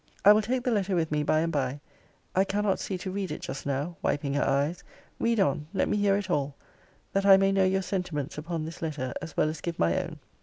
I will take the letter with me, by and by I cannot see to read it just now, wiping her eyes read on let me hear it all that I may know your sentiments upon this letter, as well as give my own.